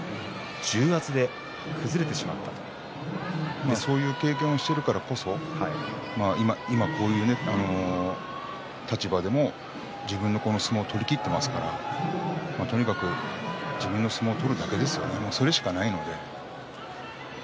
終盤単独先頭に立ったところでそういう経験をしているからこそ今、こういう立場でも自分の相撲を取りきってますからとにかく自分の相撲を取るだけですよね、もうそれしかないので。